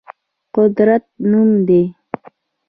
قدرت نوم دی.